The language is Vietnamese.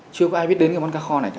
chưa có ai biết đến cái món cá kho này cả